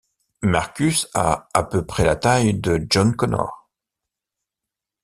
Marcus a à peu près la taille de John Connor.